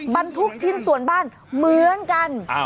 บรรทุกชิ้นส่วนบ้านเหมือนกัน